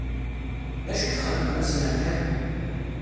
D acu i txeddmem ass n lḥedd?